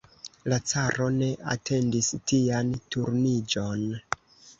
La caro ne atendis tian turniĝon.